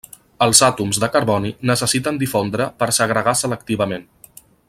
Els àtoms de carboni necessiten difondre per segregar selectivament.